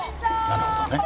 なるほどね。